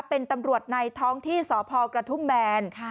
เป็นตำรวจในท้องที่สพกระทุ่มแบน